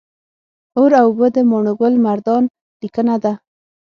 اور او اوبه د ماڼوګل مردان لیکنه ده